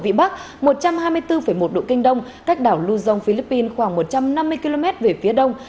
vị bắc một trăm hai mươi bốn một độ kinh đông cách đảo lưu dông philippines khoảng một trăm năm mươi km về phía đông